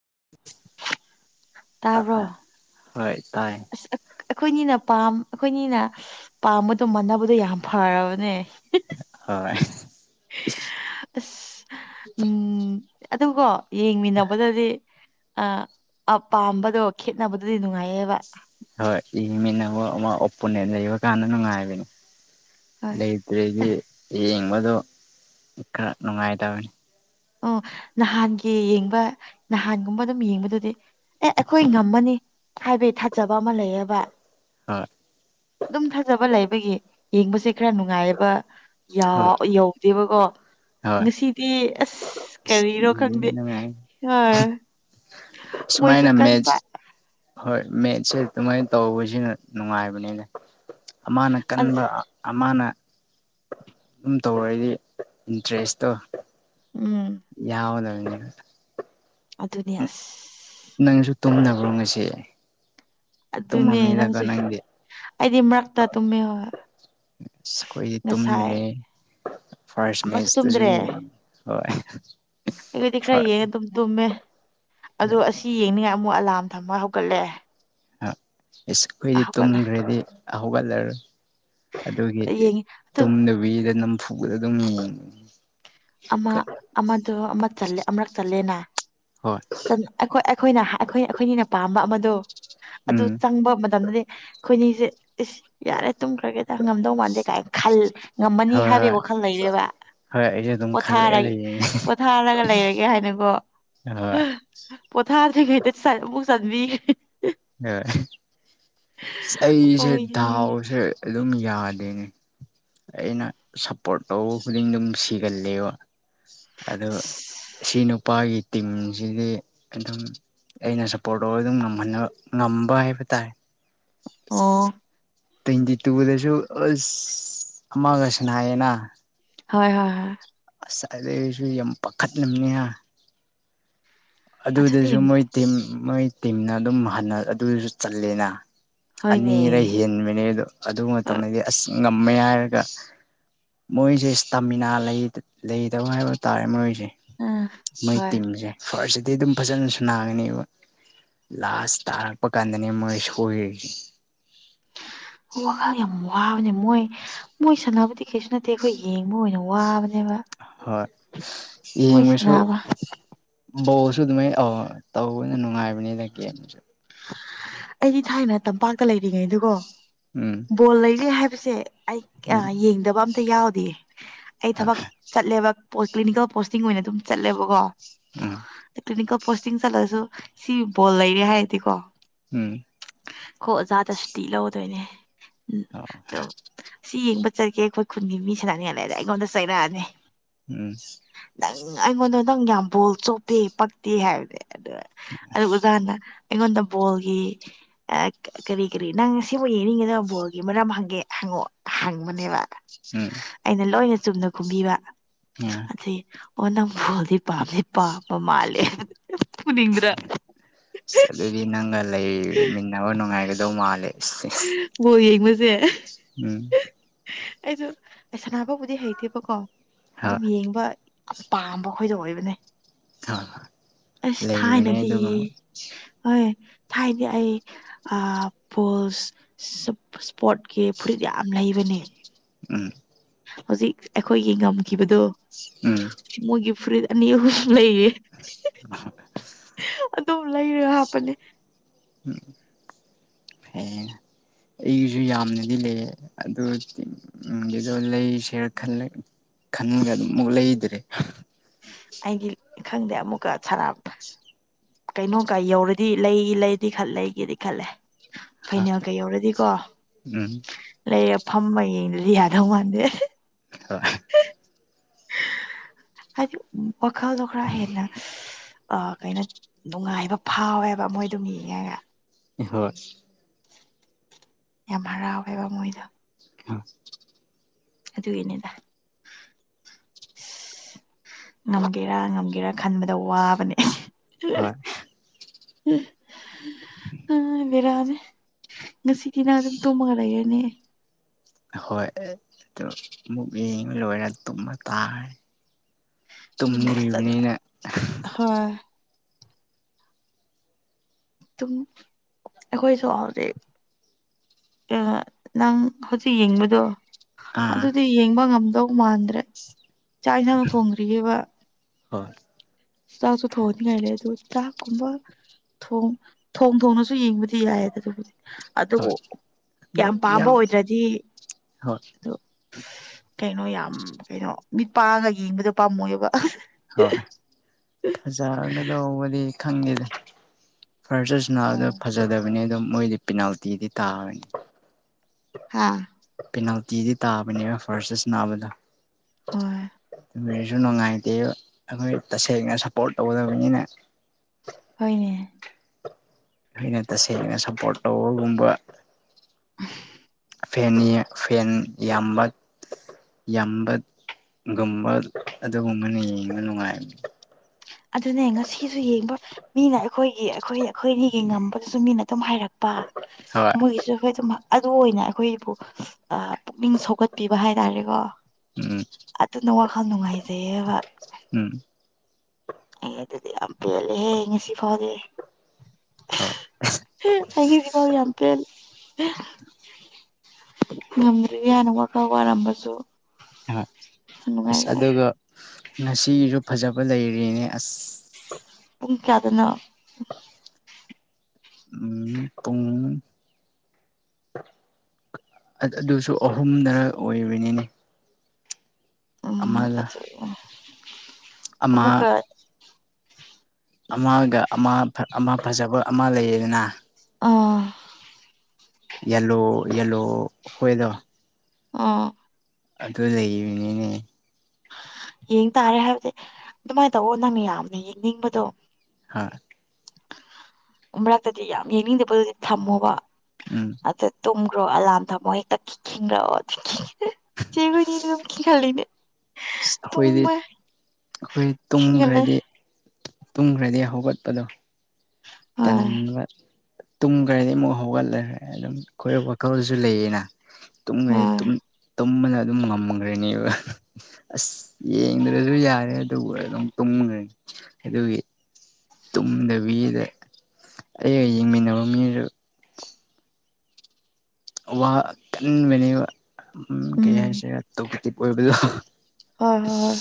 [inaudible] ꯇꯥꯕ꯭ꯔꯣ ꯍꯣꯏ ꯇꯥꯏ ꯑꯁ ꯑꯩꯈꯣꯏꯅꯤꯅ ꯄꯥꯝ ꯑꯩꯈꯣꯏꯅꯤꯅ ꯄꯥꯝꯕꯗꯣ ꯃꯥꯟꯅꯕꯗꯣ ꯌꯥꯝ ꯐꯔꯕꯅꯦ ꯥꯏ ꯑꯁ ꯎꯝ ꯑꯗꯨꯒꯣ ꯌꯦꯡꯃꯤꯟꯅꯕꯗꯗꯤ ꯑ ꯄꯥꯝꯕꯗꯣ ꯈꯦꯠꯅꯕꯗꯨꯗꯤ ꯅꯨꯡꯉꯥꯏꯌꯦꯕ ꯍꯣꯏ ꯏꯃꯤꯅ ꯑꯃꯨ ꯑꯃ ꯑꯣꯄꯨꯟꯟꯅ ꯂꯩꯕ ꯀꯥꯟꯗ ꯅꯨꯡꯉꯥꯏꯕꯅꯤ ꯍꯣꯏ ꯂꯩꯇ꯭ꯔꯦꯗꯤ ꯌꯦꯡꯕꯗꯣ ꯈꯔ ꯅꯨꯡꯉꯥꯏꯇꯕꯅꯤ ꯑꯣ ꯅꯍꯥꯟꯒꯤ ꯌꯦꯡꯕ ꯅꯍꯥꯟꯒꯨꯝꯕ ꯑꯗꯨꯝ ꯌꯦꯡꯕꯗꯨꯗꯤ ꯑꯦ ꯑꯩꯈꯣꯏ ꯉꯝꯃꯅꯤ ꯍꯥꯏꯕꯗꯤ ꯊꯥꯖꯕ ꯑꯃ ꯂꯩꯌꯦꯕ ꯍꯣꯏ ꯑꯗꯨꯝ ꯊꯥꯖꯕ ꯂꯩꯕꯒꯤ ꯌꯦꯡꯕꯁꯦ ꯈꯔ ꯅꯨꯡꯉꯥꯏꯌꯦꯕ ꯍꯣꯏ ꯌꯧꯗꯦꯕꯀꯣ ꯍꯣꯏ ꯉꯁꯤꯗꯤ ꯀꯔꯤꯅꯣ ꯈꯪꯗꯦ ꯅꯨꯡꯉꯥꯏ ꯑ ꯃꯣꯏꯁꯨ ꯁꯨꯃꯥꯏꯅ ꯀꯟꯕ ꯃꯦꯠꯆ ꯍꯣꯏ ꯃꯦꯠꯁꯦ ꯑꯗꯨꯃꯥꯏꯅ ꯇꯧꯕꯁꯤꯅ ꯅꯨꯡꯉꯥꯏꯕꯅꯤꯅ ꯑꯃꯅ ꯑꯁ ꯀꯟꯕ ꯑꯃꯅ ꯑꯗꯨꯝ ꯇꯧꯔꯛꯏꯗꯤ ꯏꯟꯇꯔꯦꯁꯇꯣ ꯎꯝ ꯌꯥꯎꯒꯗꯕꯅꯤ ꯎꯝ ꯑꯗꯨ ꯑꯗꯨꯅꯌꯥꯁ ꯅꯪꯁꯨ ꯇꯨꯝꯅꯕ꯭ꯔꯣ ꯉꯁꯤ ꯑꯗꯨꯅꯦ ꯇꯨꯝꯃꯝꯅꯤꯗꯀꯣ ꯅꯪꯁꯨ ꯅꯪꯗꯤ ꯑꯩꯗꯤ ꯃꯔꯛꯇ ꯇꯨꯝꯃꯦ ꯑ ꯑꯩꯈꯣꯏꯗꯤ ꯉꯁꯥꯏ ꯇꯨꯝꯗ꯭ꯔꯦ ꯐꯥꯔ ꯑꯃꯁꯨ ꯃꯦꯆ ꯇꯁꯨ ꯇꯨꯝꯗ꯭ꯔꯦ ꯍꯣꯏ ꯑꯩꯈꯣꯏꯗꯤ ꯈꯔ ꯐꯥꯔ ꯌꯦꯡꯉ ꯑꯗꯨꯝ ꯇꯨꯝꯃꯦ ꯑꯗꯣ ꯑꯁꯤ ꯌꯦꯡꯅꯤꯡꯉ ꯑꯃꯨꯛ ꯑꯂꯥꯔꯝ ꯊꯝꯃ ꯍꯧꯒꯠꯂꯦ ꯏꯁ ꯑꯩꯈꯣꯏꯗꯤ ꯍꯧꯒꯠꯂꯦ ꯇꯨꯝꯈ꯭ꯔꯗꯤ ꯍꯧꯒꯠꯂꯔꯣꯏ ꯑꯗꯨꯒꯤ ꯌꯦꯡꯉꯤ ꯑꯗꯨ ꯇꯨꯝꯗꯕꯤꯗ ꯅꯝꯐꯨꯕꯗ ꯑꯗꯨꯝ ꯌꯦꯟꯅꯤꯡꯉꯤ ꯑꯃ ꯑꯃꯗ ꯑꯃ ꯆꯦ ꯑꯃꯨꯔꯛ ꯆꯜꯂꯦꯅ ꯍꯣꯏ ꯑꯩꯈꯣꯏ ꯑꯩꯈꯣꯏꯅ ꯑꯩꯈꯣꯏ ꯑꯩꯈꯣꯏ ꯑꯅꯤꯅ ꯄꯥꯝꯕ ꯑꯃꯗꯣ ꯑꯗꯨ ꯎꯝ ꯆꯪꯕ ꯃꯇꯝꯗꯗꯤ ꯑꯩꯈꯣꯏꯅꯤꯁꯦ ꯏꯁ ꯌꯥꯔꯦ ꯇꯨꯝꯈ꯭ꯔꯒꯦꯗ ꯉꯝꯗꯧ ꯃꯥꯟꯗꯦ ꯀꯥꯏꯅ ꯈꯜ ꯉꯝꯃꯅꯤ ꯍꯣꯏ ꯍꯣꯏ ꯍꯥꯏꯕꯒꯤ ꯋꯥꯈꯜ ꯂꯩꯔꯦꯕ ꯍꯣꯏ ꯑꯩꯁꯨ ꯑꯗꯨꯝ ꯈꯜꯂꯒ ꯄꯣꯊꯥꯔꯒꯦ ꯂꯩꯌꯦꯅꯦ ꯄꯣꯊꯥꯔꯒ ꯂꯩꯔꯒꯦ ꯍꯥꯏꯅꯀꯣ ꯍꯣꯏ ꯄꯣꯊꯗꯤ ꯀꯩꯇ ꯆꯕꯨꯨ ꯆꯥꯟꯕꯤ ꯍ ꯑꯩꯁ ꯑꯣꯏꯌꯦ ꯙꯥꯎꯁ ꯑꯗꯨꯝ ꯌꯥꯗꯦꯅꯦ ꯑꯩꯅ ꯁꯞꯄꯣꯔꯠ ꯇꯧꯕ ꯈꯨꯗꯤꯡ ꯑꯗꯨꯝ ꯁꯤꯒꯜꯂꯦꯕ ꯑ ꯁꯤ ꯅꯨꯄꯥꯒꯤ ꯇꯤꯝꯁꯤꯗꯤ ꯑꯗꯨꯝ ꯑꯩꯅ ꯁꯞꯄꯣꯔꯠ ꯇꯧꯔꯒ ꯑꯗꯨꯝ ꯉꯝꯍꯟꯅꯕ ꯉꯝꯕ ꯍꯥꯏꯕ ꯇꯥꯔꯦ ꯑꯣ ꯇ꯭ꯋꯦꯟꯇꯤ ꯇꯨꯗꯁꯨ ꯑꯁ ꯑꯃꯒ ꯁꯥꯟꯅꯥꯔꯦꯅꯥ ꯍꯣꯏ ꯍꯣꯏ ꯍꯣꯏ ꯑꯁ ꯑꯗꯩꯩ ꯑꯩꯁꯨ ꯌꯥꯝ ꯄꯥꯈꯠꯂꯝꯕꯅꯤ ꯍꯥ ꯑꯗꯨꯗꯤ ꯑꯗꯨꯗꯁꯨ ꯃꯣꯏ ꯇꯤꯝ ꯃꯣꯏ ꯇꯤꯝꯅ ꯑꯗꯨꯝ ꯍꯟꯅ ꯑꯗꯨꯁꯨ ꯆꯜꯂꯤꯂꯦꯅ ꯍꯣꯏꯅꯦ ꯑꯅꯤꯔ ꯍꯦꯟꯕꯅꯦ ꯑꯗꯣ ꯑꯗꯨ ꯃꯇꯝꯗꯗꯤ ꯑꯁ ꯉꯝꯃꯦ ꯍꯥꯏꯔꯒ ꯃꯣꯏꯁꯦ ꯏꯁꯇꯥꯃꯤꯅꯥ ꯂꯩꯗꯕ ꯍꯥꯏꯕ ꯇꯥꯔꯦ ꯃꯣꯏꯁꯦ ꯎꯝ ꯃꯣꯏ ꯍꯣꯏ ꯇꯤꯝꯁꯦ ꯐꯥꯔꯁꯁꯤꯗꯤ ꯑꯗꯨꯝ ꯐꯖꯅ ꯁꯥꯟꯅꯒꯅꯦꯕ ꯂꯥꯁ ꯇꯥꯔꯛꯄ ꯀꯥꯟꯗꯅꯤ ꯃꯣꯏ ꯁꯣꯜꯂꯤꯁꯦ ꯋꯥꯈꯜ ꯌꯥꯝ ꯋꯥꯕꯅꯦ ꯃꯣꯏ ꯃꯣꯏ ꯁꯥꯟꯅꯕꯗꯤ ꯀꯩꯁꯨ ꯅꯠꯇꯦ ꯑꯩꯈꯣꯏ ꯌꯦꯡꯕ ꯑꯣꯏꯅ ꯋꯥꯕꯅꯦꯕ ꯍꯣꯏ ꯃꯣꯏ ꯌꯦꯡꯕꯁꯨ ꯁꯥꯟꯅꯕ ꯕꯣꯜꯁꯨ ꯑꯗꯨꯃꯥꯏꯅ ꯑꯧ ꯇꯧꯕꯅꯦ ꯅꯨꯡꯉꯥꯏꯕꯅꯤꯅ ꯒꯦꯝꯁꯨ ꯑꯩꯗꯤ ꯊꯥꯏꯅ ꯇꯝꯄꯥꯛꯇ ꯂꯩꯔꯤꯉꯩꯗꯨꯀꯣ ꯎꯝ ꯕꯣꯜ ꯂꯩꯔꯦ ꯍꯥꯏꯕꯁꯦ ꯎꯝ ꯑꯩ ꯌꯦꯡꯗꯕ ꯑꯝꯇ ꯌꯥꯎꯗꯤꯌꯦ ꯑꯩ ꯊꯕꯛ ꯆꯠꯂꯦꯕ ꯀ꯭ꯂꯤꯅꯤꯀꯦꯜ ꯄꯣꯁꯇꯤꯡ ꯑꯣꯏꯅ ꯑꯗꯨꯝ ꯆꯠꯂꯦꯕꯀꯣ ꯎꯝ ꯇꯦꯛꯅꯤꯀꯦꯜ ꯄꯣꯁꯇꯤꯡ ꯆꯠꯂꯁꯨ ꯁꯤ ꯕꯣꯜ ꯂꯩꯔꯦ ꯍꯥꯏꯔꯗꯤꯀꯣ ꯎꯝ ꯀꯣ ꯑꯣꯖꯥꯗ ꯁꯨꯇꯤ ꯂꯧꯗꯣꯏꯅꯦ ꯎꯝ ꯑꯗꯣ ꯁꯤ ꯌꯦꯡꯕ ꯆꯠꯒꯦ ꯑꯩꯈꯣꯏ ꯈꯨꯟꯒꯤ ꯃꯤꯁꯤꯅꯥꯅꯦ ꯂꯩꯗ ꯑꯩꯉꯣꯟꯗ ꯆꯩꯔꯛꯑꯅꯤ ꯎꯝ ꯅꯪ ꯑꯩꯉꯣꯟꯗꯣ ꯅꯪ ꯌꯥꯝꯕꯣꯜ ꯆꯣꯞꯄꯦ ꯄꯛꯇꯦ ꯍꯥꯏꯕꯅꯦ ꯑ ꯑꯗꯨ ꯑꯣꯖꯥꯅ ꯑꯩꯉꯣꯟꯗ ꯕꯣꯜꯒꯤ ꯀꯔꯤ ꯀꯔꯤ ꯅꯪ ꯁꯤꯕꯨ ꯌꯦꯡꯅꯤꯡꯕ ꯕꯣꯜꯒꯤ ꯃꯔꯝ ꯍꯪꯒꯦ ꯍꯪꯑꯣ ꯍꯥꯡꯕꯅꯦꯕ ꯎꯝ ꯆꯨꯝꯅ ꯀꯨꯝꯕꯤꯕ ꯎꯝ ꯑꯁꯤ ꯑꯣ ꯅꯪ ꯕꯣꯜꯗꯤ ꯄꯥꯝꯗꯤ ꯄꯥꯝꯕ ꯃꯥꯜꯂꯦ ꯐꯨꯅꯤꯡꯗ꯭ꯔꯥ ꯑꯁ ꯑꯗꯨꯗꯤ ꯅꯪꯒ ꯂꯩꯃꯤꯟꯅꯕ ꯅꯨꯡꯉꯥꯏꯒꯗꯧ ꯃꯥꯜꯂꯦ ꯑꯁ ꯕꯣꯜ ꯌꯦꯡꯕꯁꯦ ꯎꯝ ꯑꯩꯁꯨ ꯑꯩ ꯁꯥꯟꯅꯥꯅꯕꯕꯨꯗꯤ ꯍꯩꯇꯦꯕꯀꯣ ꯍꯣꯏ ꯍꯣꯏ ꯑꯗꯨꯝ ꯌꯦꯡꯕ ꯌꯥꯝ ꯄꯥꯝꯕ ꯈꯣꯏꯗ ꯑꯣꯏꯕꯅꯦ ꯍꯣꯏ ꯑꯁ ꯂꯩꯕꯅꯦ ꯊꯥꯏꯅꯗꯤ ꯑꯗꯨꯒꯨꯝꯕ ꯍꯣꯏ ꯊꯥꯏꯗꯤ ꯑꯩ ꯑ ꯄꯣꯜ ꯁ꯭ꯄꯣꯔꯠꯀꯤ ꯐꯨꯔꯤꯠ ꯌꯥꯝ ꯂꯩꯕꯅꯦ ꯎꯝ ꯍꯧꯖꯤꯛ ꯑꯩꯈꯣꯏꯒꯤ ꯉꯝꯈꯤꯕꯗꯣ ꯎꯝ ꯃꯣꯏꯒꯤ ꯐꯨꯔꯤꯠ ꯑꯅꯤ ꯑꯍꯨꯝ ꯂꯩꯌꯦ ꯑꯗꯨꯝ ꯂꯩꯔꯒ ꯍꯥꯞꯄꯅꯦ ꯍꯝ ꯍꯦ ꯑꯩꯒꯤꯁꯨ ꯌꯥꯝꯅꯗꯤ ꯂꯩ ꯑꯗꯨꯒꯤꯗꯣ ꯂꯩꯁꯤꯔ ꯈꯜꯂꯦ ꯈꯟꯒ ꯑꯗꯨꯝꯃꯨꯛ ꯂꯩꯗ꯭ꯔꯦ ꯑꯩꯗꯤ ꯈꯪꯗꯦ ꯑꯃꯨꯛꯀ ꯁꯔꯥꯞ ꯀꯩꯅꯣ ꯀꯥꯏ ꯌꯧꯔꯗꯤ ꯂꯩ ꯂꯩꯗꯤ ꯈꯜ ꯂꯩꯒꯦꯗꯤ ꯈꯜꯂꯦ ꯐꯥꯏꯅꯦꯜꯒ ꯌꯧꯔꯗꯤꯀꯣ ꯎꯝ ꯂꯩꯔ ꯐꯝꯃ ꯌꯦꯡꯗꯔ꯭ꯗꯤ ꯌꯥꯗꯧ ꯃꯥꯥꯟꯗꯦ ꯍꯣꯏ ꯍꯥꯏꯗꯤ ꯋꯥꯈꯜꯗꯣ ꯈꯔ ꯍꯦꯟꯅ ꯑ ꯀꯩꯅꯣ ꯅꯨꯡꯉꯥꯏꯕ ꯐꯥꯎꯋꯦꯕ ꯃꯣꯏꯗꯨꯝ ꯌꯦꯡꯉꯒ ꯍꯣꯏ ꯌꯥꯝ ꯍꯔꯥꯎꯔꯦꯕ ꯃꯣꯏꯗꯨ ꯑ ꯑꯗꯨꯗ ꯌꯦꯅꯤꯗ ꯉꯝꯒꯦꯔꯥ ꯉꯝꯒꯦꯔꯥ ꯈꯟꯕꯗ ꯋꯥꯕꯅꯦ ꯍꯣꯏ ꯎꯝ ꯑꯗꯔꯥꯗ ꯉꯁꯤꯗꯤꯅꯥ ꯑꯗꯨꯝ ꯇꯨꯝꯃꯒꯔꯒꯦꯅꯦ ꯍꯣꯏ ꯑꯗꯨ ꯑꯃꯨꯛ ꯌꯦꯡꯉ ꯂꯣꯏꯔꯦ ꯑꯗꯨꯨꯝꯃ ꯇꯥꯈꯦ ꯑꯗꯨꯅꯦ ꯐꯖꯅ ꯇꯨꯝꯗ꯭ꯔꯤꯕꯅꯤꯅ ꯍꯣꯏ ꯑꯗꯨꯝ ꯑꯩꯈꯣꯏꯁꯨ ꯍꯧꯔ ꯑ ꯅꯪ ꯍꯧꯖꯤꯛ ꯌꯦꯡꯕꯗꯣ ꯑꯥ ꯑꯗꯨꯗꯤ ꯌꯦꯡꯕ ꯉꯝꯗꯧ ꯃꯥꯟꯗ꯭ꯔꯦ ꯆꯥꯛꯅꯅ ꯊꯣꯡꯗ꯭ꯔꯤꯑꯕ ꯍ ꯆꯥꯛꯁꯨ ꯊ ꯍꯣꯅꯤꯦ ꯑꯗꯨ ꯆꯥꯛ ꯀꯨꯝꯕ ꯊꯣꯡ ꯊꯣꯡ ꯊꯣꯡꯅꯁꯨ ꯌꯦꯡꯕꯗꯤ ꯌꯥꯏꯌꯦꯗ ꯑꯗꯨꯕꯨꯗꯤ ꯑꯗꯨꯕꯨ ꯍꯣꯏ ꯑꯗꯨ ꯀꯌꯥꯝ ꯄꯥꯝꯕ ꯌꯥꯝ ꯑꯣꯏꯗ꯭ꯔꯗꯤ ꯍꯣꯏ ꯑꯗꯨ ꯀꯩꯅꯣ ꯌꯥꯝ ꯀꯩꯅꯣ ꯃꯤꯠ ꯄꯥꯡꯉꯒ ꯌꯦꯡꯕꯗꯣ ꯄꯥꯝꯃꯣꯏꯑꯕ ꯍꯣꯏ ꯐꯖꯒꯗꯧꯕꯗꯤ ꯈꯪꯗꯦꯗ ꯐꯔꯆꯔꯁꯅ ꯑꯗꯨꯗ ꯐꯖꯗꯕꯅꯤ ꯑꯗꯨꯝ ꯃꯣꯏꯗꯤ ꯄꯤꯅꯥꯜꯇꯤꯗꯤ ꯇꯥꯕꯅꯤ ꯍꯥꯥ ꯄꯦꯅꯥꯜꯇꯤꯗꯤ ꯇꯥꯕꯅꯦꯕ ꯐꯥꯔꯁꯇꯁ ꯅꯥꯕꯗ ꯍꯣꯏ ꯀꯁꯨ ꯅꯨꯡꯉꯥꯏꯇꯦ ꯑꯩꯈꯣꯏ ꯇꯁꯦꯡꯅ ꯁꯞꯄꯣꯔꯠ ꯇꯧꯒꯗꯕꯅꯤꯅ ꯍꯅꯦ ꯑꯩꯅ ꯇꯁꯦꯡꯅ ꯁꯞꯄꯣꯔꯠ ꯇꯧꯕꯒꯨꯝꯕ ꯐꯦꯟ ꯐꯦꯟ ꯌꯥꯝꯕ ꯌꯥꯝꯕ ꯒꯨꯝꯕ ꯑꯗꯨꯒꯨꯝꯕꯅ ꯌꯦꯡꯕ ꯅꯨꯡꯉꯥꯏꯔꯅꯤ ꯑꯗꯨꯅꯦ ꯉꯁꯤꯁꯨ ꯌꯦꯡꯕ ꯃꯤꯅ ꯑꯩꯈꯣꯏꯒꯤ ꯑꯩꯈꯣꯏ ꯑꯩꯈꯣꯏꯅꯤꯒꯤ ꯉꯝꯕꯗꯨꯁꯨ ꯃꯤꯅ ꯑꯗꯨꯝ ꯍꯥꯏꯔꯛꯄ ꯍꯣꯏ ꯃꯣꯏꯒꯤꯁꯨ ꯍ ꯇꯃ ꯑꯗꯨ ꯑꯣꯏꯅ ꯑꯩꯈꯣꯏꯕꯨ ꯄꯨꯛꯅꯤꯡ ꯁꯧꯒꯠꯄꯤꯕ ꯍꯥꯏꯇꯥꯔꯦꯀꯣ ꯎꯝ ꯑꯗꯨꯅ ꯋꯥꯈꯜ ꯅꯨꯡꯉꯥꯏꯖꯩꯌꯦꯕ ꯎꯝ ꯍ ꯑꯗꯨꯗꯤ ꯌꯥꯝ ꯄ ꯂꯩꯦ ꯍꯦ ꯌꯦ ꯉꯁꯤ ꯐꯥꯎꯗꯦ ꯍꯣꯏ ꯑꯩꯒꯤꯀ ꯌꯥꯝꯄ ꯉꯝꯗ꯭ꯔꯤ ꯌꯥꯅ ꯋꯥꯈꯜ ꯋꯥꯔꯝꯕꯁꯨ ꯍꯣꯏ ꯑꯁ ꯅꯨꯡꯉꯥꯏꯔꯦ ꯑꯗꯨꯒ ꯉꯁꯤꯒꯤꯁꯨ ꯐꯖꯕ ꯂꯩꯔꯤꯅꯦ ꯑꯁ ꯎꯨꯡ ꯀꯌꯥꯗꯅ ꯎꯝ ꯄꯨꯡ ꯑꯗꯨꯁꯨ ꯑꯍꯨꯝꯗ ꯑꯣꯏꯕꯅꯤꯅꯤ ꯑꯃ ꯎꯝ ꯑꯗꯨ ꯑꯃꯥ ꯑꯃꯨꯛꯀ ꯑꯃꯒ ꯑꯃ ꯑꯃ ꯐꯖꯕ ꯑꯃ ꯂꯩꯌꯦꯗꯅ ꯑꯥ ꯌꯦꯜꯂꯨ ꯌꯦꯂꯨ ꯑꯩꯈꯣꯏꯗ ꯑꯥ ꯑꯗꯨ ꯂꯩꯅꯤꯅꯦ ꯌꯦꯡ ꯇꯥꯔꯦ ꯍꯥꯏꯕꯗꯤ ꯑꯗꯨꯃꯥꯏꯅ ꯇꯧꯋ ꯅꯪ ꯌꯥꯝꯅ ꯌꯦꯡꯅꯤꯡꯕꯗꯣ ꯍꯥ ꯑꯃꯔꯛꯇꯗꯤ ꯌꯥꯝ ꯌꯦꯡꯅꯤꯡꯗꯦꯕ ꯑꯗꯨꯗꯤ ꯊꯝꯃꯣꯕ ꯎꯝ ꯑꯗ ꯇꯨꯝꯈ꯭ꯔꯣ ꯑꯂꯥꯝꯗ ꯑꯃꯨꯛ ꯍꯦꯛꯇ ꯈꯤꯡꯈ꯭ꯔꯛꯑꯣ ꯑꯗꯨ ꯆꯦꯈꯅꯤ ꯑꯗꯨꯝ ꯈꯤꯍꯜꯂꯤꯅꯦ ꯑꯩꯈꯣꯏꯗꯤ ꯑꯩꯈꯣꯏ ꯈꯤꯡꯍꯜꯂꯦ ꯇꯨꯝꯈ꯭ꯔꯗꯤ ꯇꯨꯝꯈ꯭ꯔꯗꯤ ꯍꯧꯒꯠꯄꯗꯣ ꯍꯣꯏ ꯇꯟꯕ ꯇꯨꯡ ꯀꯔꯗꯤ ꯑꯃꯨꯛ ꯍꯧꯒꯠꯂꯈ꯭ꯔꯦ ꯑꯗꯨꯝ ꯈ ꯋꯥꯈꯜꯁꯨ ꯂꯩꯌꯦꯅ ꯇ ꯍꯣꯏ ꯇ ꯇꯨꯝꯕꯅ ꯑꯗꯨꯝ ꯉꯝꯈ꯭ꯔꯅꯦꯕ ꯑꯁ ꯌꯦꯡꯗ꯭ꯔꯁꯨ ꯌꯥꯔꯦ ꯑꯗꯨꯒ ꯑꯗꯨꯝ ꯎꯝ ꯇꯨꯝꯗꯕꯤꯗ ꯑꯩꯒ ꯌꯦꯡꯃꯤꯟꯅꯕ ꯃꯤꯗꯨ ꯋꯥ ꯀ ꯃꯅꯤ ꯎ ꯀꯩ ꯎꯝ ꯍꯥꯏꯁꯦ ꯍꯣꯏ ꯍꯣꯏ ꯍꯣꯏ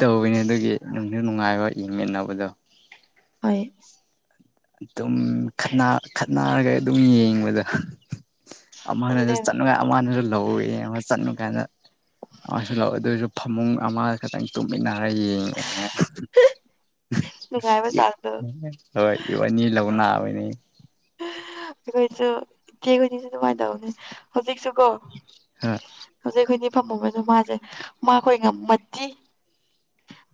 ꯇꯧꯕꯅꯤ ꯑꯗꯨꯒꯤ ꯅꯨꯡꯁꯨ ꯅꯨꯡꯉꯥꯏꯕ ꯌꯦꯡꯃꯤꯟꯅꯕꯗꯣ ꯍꯣꯏ ꯑꯗꯨꯝ ꯈꯠꯅꯔꯒ ꯑꯗꯨꯝ ꯌꯦꯡꯕꯗ ꯑꯗꯨꯅꯦ ꯑꯃꯅꯁꯨ ꯆꯠꯅꯨ ꯀꯥꯏ ꯑꯃꯅꯁꯨ ꯂꯧꯋꯦ ꯑꯃ ꯆꯠꯅꯨ ꯀꯥꯏꯗ ꯑꯃꯁꯁꯨ ꯂꯥꯛꯑꯣ ꯑꯗꯨ ꯑꯣꯏꯔꯁꯨ ꯐꯃꯨꯡ ꯑꯃ ꯈꯇꯪ ꯇꯨꯝꯃꯤꯟꯅ ꯍ ꯅꯨꯡꯉꯥꯏꯕ ꯆꯥꯡꯗꯣ ꯍꯣꯏ ꯂꯕꯨꯅꯕꯅꯦ ꯑꯩꯈꯣꯏꯁꯨ ꯏꯆꯦ ꯍꯣꯏꯅꯤꯁꯨ ꯑꯗꯨꯃꯥꯏꯅ ꯇꯧꯧꯕꯅꯦ ꯍꯧꯖꯤꯛꯁꯨ ꯀꯣ ꯍꯣꯏ ꯍꯧꯖꯤꯛꯅꯤ ꯐꯝ ꯑꯃꯁ ꯃꯥꯁꯦ ꯃꯥꯈꯣꯏ ꯉꯝꯃꯠꯇꯤ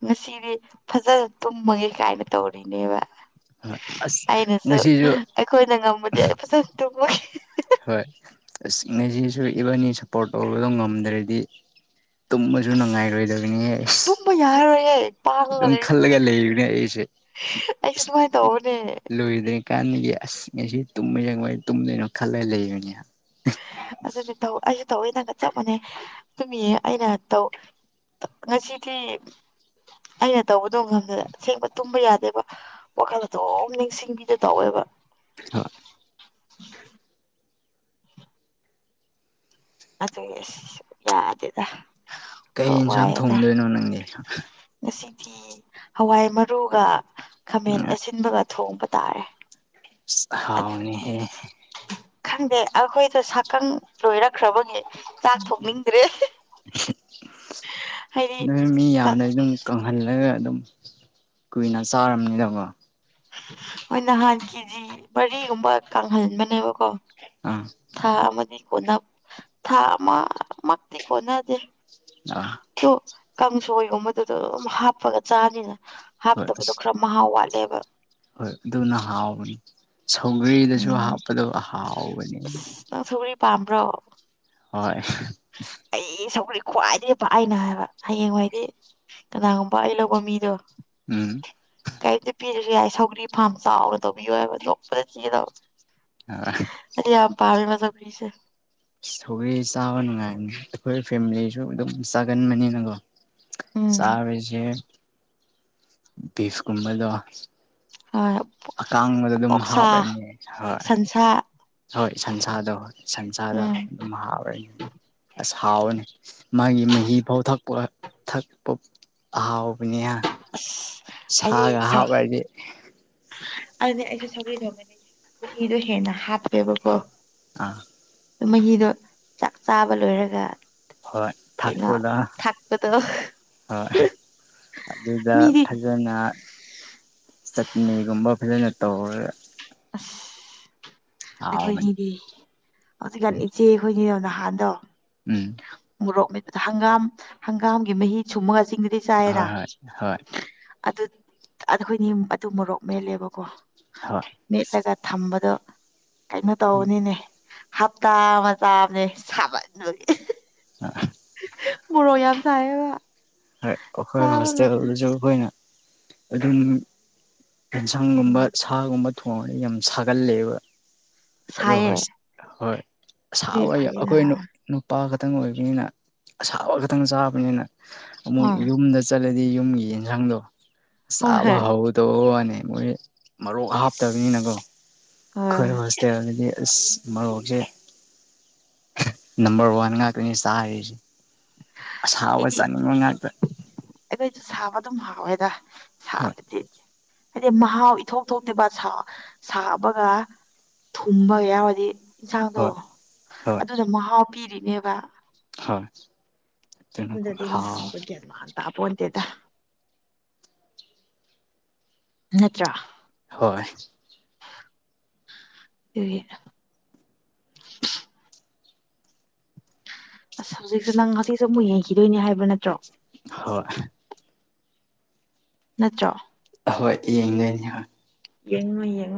ꯉꯁꯤꯗꯤ ꯐꯖꯅ ꯇꯨꯝꯃꯒꯦ ꯀꯥꯏꯅ ꯇꯧꯔꯤꯅꯦꯕ ꯍꯣꯏ ꯑꯁ ꯑꯩꯅꯁꯨ ꯃꯁꯤꯁꯤꯁꯨ ꯑꯩꯈꯣꯏꯅ ꯉꯝꯝꯕꯗꯤ ꯑꯩ ꯐꯖꯅ ꯇꯨꯝꯃꯣꯏ ꯍꯣꯏ ꯑ ꯉꯁꯤꯁꯨ ꯏꯕꯅꯤ ꯁꯞꯄꯣꯔꯠ ꯇꯧꯕꯗꯣ ꯉꯝꯗ꯭ꯔꯗꯤ ꯇꯨꯝꯃꯁꯨ ꯑꯁ ꯅꯨꯡꯉꯥꯏꯔꯣꯏꯗꯕꯅꯤꯍ ꯇꯨꯝꯕ ꯌꯥꯔꯔꯣꯏꯌꯦ ꯄꯥꯡꯉꯒ ꯑꯗꯨꯝ ꯂꯩꯔ ꯈꯜꯂꯒ ꯂꯩꯕꯅꯦ ꯑꯩꯁꯦ ꯑꯩꯁꯨ ꯑꯗꯨꯃꯥꯏꯅ ꯇꯧꯕꯅꯦ ꯂꯣꯏꯗ ꯀꯥꯟꯅꯒꯤ ꯑꯁ ꯉꯁꯤ ꯇꯨꯝꯕ ꯌꯦꯡꯉꯣꯏ ꯇꯨꯝꯗꯣꯏꯅꯣ ꯈꯜꯂꯒ ꯂꯩꯕꯅꯤ ꯇꯧꯑꯣꯏ ꯊꯪꯒꯆꯕꯅꯦ ꯑꯗꯨꯃꯤ ꯑꯩꯅ ꯇꯧ ꯉꯁꯤꯗꯤ ꯑꯩꯅ ꯇꯧꯕꯗꯣ ꯈꯪꯗꯦꯗ ꯑꯁꯦꯡꯕ ꯇꯨꯝꯕ ꯌꯥꯗꯦꯕ ꯋꯥꯈꯜ ꯑꯗꯨꯝ ꯅꯤꯡꯁꯤꯡꯕꯤꯗ ꯇꯧꯋꯦꯕ ꯍ [inaudible] ꯑꯗ ꯌꯦꯁ ꯌꯥꯗꯗ ꯀꯩ ꯌꯦꯟꯁꯥꯡ ꯊꯣꯡꯗꯣꯏꯅꯣ ꯅꯪꯗꯤꯟꯁꯥꯡ ꯐꯤ ꯍꯋꯥꯏ ꯃꯔꯨꯒ ꯈꯥꯃꯦꯟ ꯑꯁꯤꯟꯕꯒ ꯊꯣꯡꯕ ꯇꯥꯔꯦ ꯍꯥꯎꯅꯤꯍ ꯈꯪꯗꯦ ꯑꯩꯈꯣꯏꯗ ꯁꯛꯀꯪ ꯂꯣꯏꯔꯛꯈ꯭ꯔꯕꯒꯤ ꯆꯥꯛ ꯊꯣꯡꯅꯤꯡꯗ꯭ꯔꯦ ꯍꯥꯏꯗꯤ ꯅꯣꯏ ꯃꯤ ꯌꯥꯝꯅ ꯑꯗꯨꯝ ꯀꯪꯍꯜꯂꯒ ꯑꯗꯨꯝ ꯀꯨꯏꯅ ꯆꯥꯔꯝꯅꯤꯗꯕ ꯃꯣꯏ ꯅꯍꯥꯟ ꯀꯦꯖꯤ ꯃꯔꯤꯒꯨꯝꯕ ꯀꯪꯍꯟꯕꯅꯦꯕ ꯑꯥ ꯊ ꯃꯅꯤ ꯀꯅꯥ ꯊꯥ ꯃꯥꯥꯛꯇꯩ ꯀꯅꯥ ꯑꯗꯨ ꯑ ꯁꯣꯏꯒꯨꯝꯕꯗꯨꯗ ꯑꯗꯨꯝ ꯍꯥꯞꯄꯒ ꯆꯥꯅꯤꯅ ꯍꯣꯏ ꯍꯥꯞꯇꯕꯗꯣ ꯑꯁ ꯈꯔ ꯃꯍꯥꯎ ꯋꯥꯠꯂꯦꯕ ꯍꯣꯏ ꯑꯗꯨꯅ ꯍꯥꯎꯕꯅꯤ ꯁꯧꯒ꯭ꯔꯔꯤꯗꯁꯨ ꯎꯝ ꯍꯥꯞꯄꯗ ꯍꯥꯎꯕꯅꯤ ꯑꯁ ꯅꯪ ꯁꯧꯒ꯭ꯔꯤ ꯄꯥꯝꯕ꯭ꯔꯣ ꯍꯣꯏ ꯑꯩ ꯁꯧꯒ꯭ꯔꯤ ꯈ꯭ꯋꯥꯏꯗꯒꯤ ꯑꯩꯅ ꯍꯥꯏꯕ ꯍꯌꯦꯡꯋꯥꯗꯤ ꯀꯅꯥꯒꯨꯝꯕ ꯑꯩ ꯂꯧꯕ ꯃꯤꯗꯣ ꯎꯝ ꯄꯤꯤꯔꯁꯨ ꯌꯥꯏ ꯁꯧꯒ꯭ꯔꯤ ꯐꯥꯔꯝ ꯆꯥꯎꯅ ꯇꯧꯕꯤꯌꯣ ꯍꯥꯏꯕ ꯂꯣꯛꯄꯗ ꯆꯤꯗꯕ ꯑ ꯄꯥ ꯃꯖ ꯐꯔꯤꯁꯦ ꯊꯧꯔꯤ ꯆꯥꯕ ꯅꯨꯡꯉꯥꯏꯅꯤ ꯑꯩꯈꯣꯏ ꯐꯦꯃꯤꯂꯤꯁꯨ ꯑꯗꯨꯝ ꯆꯥꯒꯟꯕꯅꯤꯅꯪꯀꯣ ꯆꯥꯔꯤꯁꯦ ꯕꯤꯐ ꯀꯨꯝꯕꯗꯣ ꯍꯣꯏ ꯑꯀꯥꯡꯕꯗ ꯑꯗꯨꯝ ꯑꯣꯛꯁꯥ ꯍꯥꯞꯂꯅꯤ ꯍꯣꯏ ꯁꯟꯁꯥ ꯍꯣꯏ ꯁꯟꯁꯥꯗꯣ ꯍꯣꯏ ꯁꯟꯁꯥꯗꯣ ꯎꯝ ꯑꯗꯨꯝ ꯍꯥꯎꯔꯦꯅꯦ ꯑꯁ ꯍꯥꯎꯋꯅꯤ ꯃꯥꯒꯤ ꯃꯍꯤ ꯐꯥꯎ ꯊꯛꯄ ꯊꯛꯄ ꯑꯍꯥꯎꯕꯅꯤꯅ ꯑꯁ ꯁꯥꯛꯒꯍ ꯄꯗꯤ ꯑꯗꯨꯗꯤ ꯑꯩꯁꯨꯦ ꯁꯒꯩ ꯊꯒꯅꯤ ꯀꯤꯗꯣ ꯍꯦꯟꯅ ꯍꯥꯞꯄꯦꯕꯀꯣ ꯑꯥ ꯃꯍꯤꯗꯣꯥꯛ ꯆꯥꯕ ꯂꯣꯏꯔꯒ ꯍꯣꯏ ꯀꯩꯅꯩꯅꯣ ꯊꯛꯄꯗ ꯊꯥꯛꯄ ꯇꯣ ꯗ ꯐꯖꯅ ꯆꯠꯅꯤꯒꯨꯝꯕ ꯐꯖꯅ ꯇꯧꯔꯒ ꯑꯁ ꯍꯥꯎꯕꯅꯤ ꯑꯩꯈꯣꯏꯅꯤꯗꯤ ꯍꯧꯖꯤꯛꯀꯥꯟ ꯏꯆꯦ ꯑꯩꯈꯣꯏꯅꯤꯗꯣ ꯅꯍꯥꯟꯗꯣ ꯎꯝ ꯑꯗ ꯍꯪꯒꯥꯝ ꯍꯪꯒꯥꯝꯒꯤ ꯃꯍꯤ ꯁꯨꯝꯃꯒ ꯆꯤꯡꯗꯨꯗꯤ ꯆꯥꯏꯌꯦꯅ ꯍꯣꯏ ꯍꯣꯏ ꯍꯣꯏ ꯑꯗꯨ ꯑꯈꯣꯏꯅꯤ ꯑꯗꯨ ꯃꯣꯔꯣꯛ ꯃꯦꯠꯂꯦꯕꯀꯣ ꯍꯣꯏ ꯃꯦꯠꯂꯒ ꯊꯝꯕꯗꯣ ꯀꯩꯅꯣ ꯇꯧꯅꯤꯅꯦ ꯍꯞꯇꯥ ꯃꯆꯥ ꯑꯃꯅꯦ ꯁꯥꯕꯠꯒꯤ ꯍꯣꯏ ꯃꯣꯔ ꯌꯥꯅ ꯆꯥꯏ ꯣꯏ ꯑꯩꯈꯣꯏ ꯍꯣꯁꯇꯦꯜꯗꯁꯨ ꯑꯩꯈꯣꯏꯅ ꯑꯗꯨ ꯎꯝ ꯑꯦꯦꯟꯁꯥꯡꯒꯨꯝꯕ ꯁꯥꯒꯨꯝꯕ ꯊꯣꯡꯉꯅꯤ ꯌꯥꯝ ꯁꯥꯒꯠꯂꯦꯕ ꯑ ꯁꯥꯏꯌꯦ ꯍ ꯍꯣꯏ ꯑꯗꯨꯏ ꯁꯥꯕ ꯐꯩꯌꯦꯅ ꯑꯩꯈꯣꯏ ꯑ ꯅꯨꯄꯥ ꯈꯛꯇ ꯈꯤꯇꯪ ꯑꯣꯏꯕꯅꯤꯅ ꯑꯁꯥꯕ ꯈꯛꯇꯪ ꯆꯥꯕꯅꯤꯅ ꯑꯃꯨꯛ ꯍꯣꯏ ꯌꯨꯝꯗ ꯆꯠ ꯈꯂꯗꯤ ꯌꯨꯝꯒꯤ ꯌꯦꯟꯁꯥꯡꯗꯣ ꯍꯣꯏ ꯆꯥꯕ ꯍꯧꯗꯣꯅꯤ ꯃꯣꯏ ꯃꯔꯣꯛ ꯍꯥꯞꯇꯕꯅꯤꯅꯀꯣ ꯍꯣꯏ ꯑꯩꯈꯣꯏ ꯍꯣꯁꯇꯦꯜꯗꯗꯤ ꯑꯁ ꯃꯣꯛꯁꯦ ꯅꯝꯕꯔ ꯋꯥꯟ ꯉꯥꯛꯇꯅꯤ ꯆꯥꯔꯤꯁꯦ ꯑꯁꯥꯎꯕ ꯑꯩꯗꯤ ꯆꯥꯅꯤꯡꯕ ꯉꯥꯛꯇ ꯑꯩꯈꯣꯏꯁꯨ ꯁꯥꯕ ꯑꯗꯨꯝ ꯍꯥꯎꯋꯦꯗ ꯍꯣꯏ ꯁꯥꯕꯗꯤ ꯍꯥꯏꯗꯤ ꯃꯍꯥꯎ ꯏꯊꯣꯛ ꯊꯣꯛꯇꯦꯕ ꯁꯥꯕꯒ ꯊꯨꯝꯕ ꯌꯥꯎꯔꯗꯤ ꯏꯟꯁꯥꯡꯗꯣ ꯍꯣꯏ ꯍꯣꯏ ꯑꯗꯨꯗ ꯃꯍꯥꯎ ꯄꯤꯔꯤꯅꯦꯕ ꯑ [inaudible] ꯑꯗꯨꯗꯗꯤ ꯃꯍꯥꯎ ꯑꯣꯏꯒꯌꯥꯟ ꯃꯥ ꯇꯥꯄꯇꯦꯗ ꯅꯠꯇ꯭ꯔꯥ ꯍꯣꯏ ꯁꯤ ꯑꯁ ꯍꯧꯖꯤꯛꯁꯦ ꯅꯪ ꯍꯧꯖꯤꯛꯁꯦ ꯑꯃꯨꯛ ꯌꯦꯡꯈꯤꯗꯣꯏꯅꯦ ꯍꯥꯏꯕ ꯅꯠꯇ꯭ꯔꯣ ꯍꯣꯏ ꯅꯠꯇ꯭ꯔꯣ ꯑꯍꯣꯏ ꯌꯦꯡꯗꯣꯏꯅꯤ ꯍꯣꯏ ꯌꯦꯡ ꯌꯦꯉꯨ